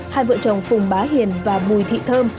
hai vợ chồng phùng bá hiền và bùi thị thơm